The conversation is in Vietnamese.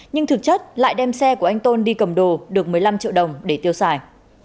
nhưng thực chất lại đem xe của anh tôn đi cầm đồ được một mươi năm triệu đồng để tiêu xài